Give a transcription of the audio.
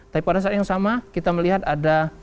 tapi pada saat yang sama kita melihat ada